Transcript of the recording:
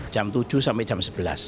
jam tujuh sampai jam sebelas